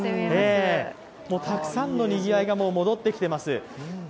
たくさんのにぎわいがもう戻ってきています。